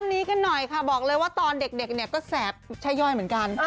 นี้กันหน่อยค่ะบอกเลยว่าตอนเด็กเนี่ยก็แสบชะย่อยเหมือนกัน